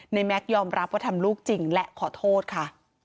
แม็กซยอมรับว่าทำลูกจริงและขอโทษค่ะ